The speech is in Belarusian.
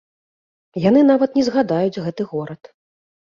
Яны нават не згадаюць гэты горад.